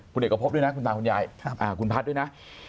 คุณเอกพบด้วยนะคุณตาคุณยายคุณพัฒน์ด้วยนะ